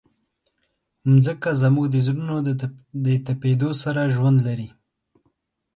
مځکه زموږ د زړونو د تپېدو سره ژوند لري.